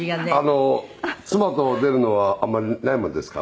あの妻と出るのはあんまりないもんですから。